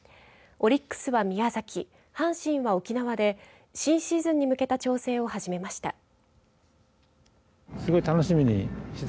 オリックスは、宮崎阪神は沖縄で新シーズンに向けた調整を始めました。